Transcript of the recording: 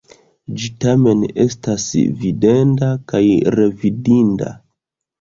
Ĝi tamen estas videnda kaj revidinda.